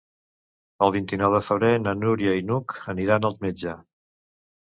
El vint-i-nou de febrer na Núria i n'Hug aniran al metge.